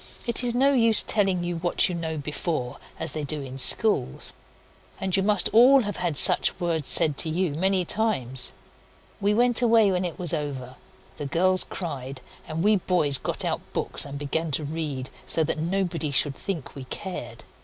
It is no use telling you what you know before as they do in schools. And you must all have had such words said to you many times. We went away when it was over. The girls cried, and we boys got out books and began to read, so that nobody should think we cared.